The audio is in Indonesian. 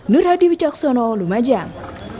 nur hadi wicaksono lumajang